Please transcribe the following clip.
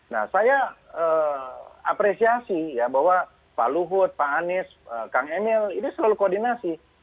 nah saya apresiasi ya bahwa pak luhut pak anies kang emil ini selalu koordinasi